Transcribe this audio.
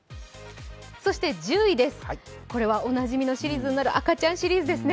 １０位です、これはおなじみのシリーズになる赤ちゃんシリーズうです